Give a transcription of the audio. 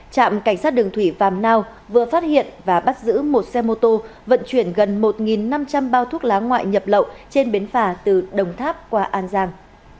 trạm cảnh sát đường thủy vàm nao vừa phát hiện và bắt giữ một xe mô tô vận chuyển gần một năm trăm linh bao thuốc lá ngoại nhập lậu trên bến phà từ đồng tháp qua an giang